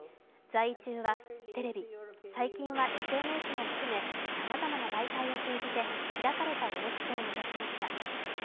在位中はテレビ、最近はＳＮＳも含めさまざまな媒体を通じて開かれた王室を目指しました。